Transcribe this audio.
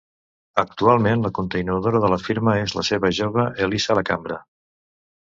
Actualment la continuadora de la firma és la seva jove Elisa Lacambra.